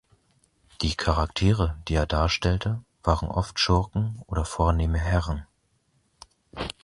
Die Charaktere, die er darstellte, waren oft Schurken oder vornehme Herren.